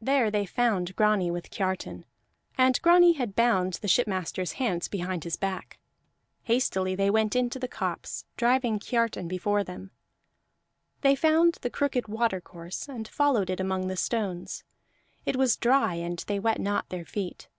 There they found Grani with Kiartan, and Grani had bound the shipmaster's hands behind his back. Hastily they went into the copse, driving Kiartan before them; they found the crooked watercourse and followed it among the stones; it was dry and they wet not their feet.